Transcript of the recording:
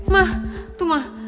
mah tuh mah